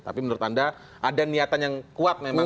tapi menurut anda ada niatan yang kuat memang